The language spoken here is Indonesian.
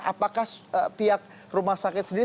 apakah pihak rumah sakit sendiri